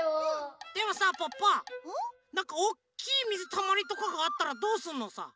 でもさポッポなんかおっきいみずたまりとかがあったらどうすんのさ？